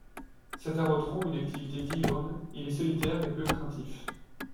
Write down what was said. Cet Arothron une activité diurne, il est solitaire et peu craintif.